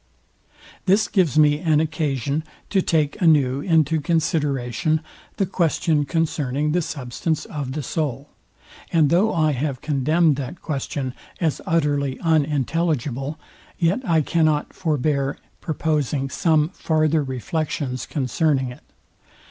This gives me an occasion to take a new into consideration the question concerning the substance of the soul; and though I have condemned that question as utterly unintelligible, yet I cannot forbear proposing some farther reflections concerning it.